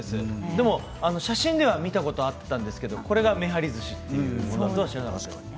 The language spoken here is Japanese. でも写真では見たことがあったんですけどこれがめはりずしというものだとは知らなかったです。